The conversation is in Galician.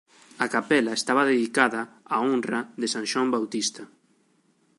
A capela estaba dedicada á honra de San Xoán Bautista.